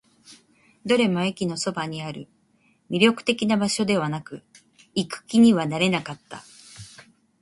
どれも駅のそばにある。魅力的な場所ではなく、行く気にはなれなかった。